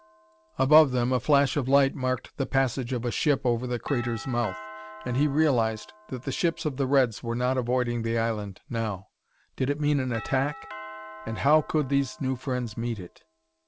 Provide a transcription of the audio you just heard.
Above them, a flash of light marked the passage of a ship over the crater's mouth, and he realized that the ships of the reds were not avoiding the island now. Did it mean an attack? And how could these new friends meet it?